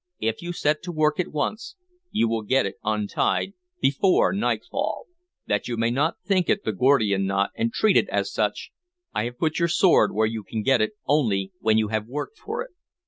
If you set to work at once, you will get it untied before nightfall. That you may not think it the Gordian knot and treat it as such, I have put your sword where you can get it only when you have worked for it.